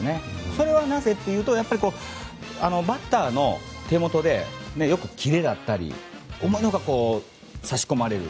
それはなぜ？というとバッターの手元でよくキレだったり思いのほか、さし込まれる。